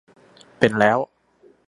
เป็นแล้ว